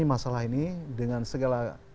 masalah ini dengan segala